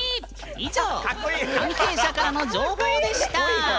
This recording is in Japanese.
以上、関係者からの情報でした。